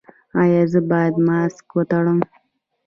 ایا زه باید ماسک وتړم؟